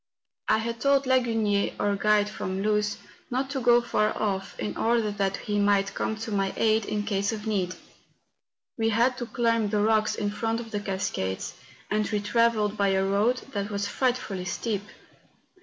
I had told Lagunier, our guide from Luz, not to go far off, in order that he might come to my aid in case of need. We had to climb the rocks in front of the cascades; and we travelled by a road that was frightfully steep.